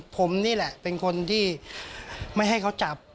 ผมนี่แหละเป็นคนที่ไม่ให้เขาจับ